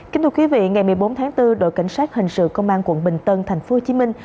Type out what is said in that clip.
kính thưa quý vị ngày một mươi bốn tháng bốn đội cảnh sát hình sự công an quận bình tân thành phố hồ chí minh